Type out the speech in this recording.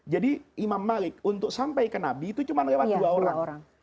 jadi imam malik untuk sampai ke nabi itu cuma lewat dua orang